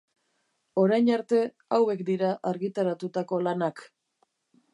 Orain arte hauek dira argitaratutako lanak.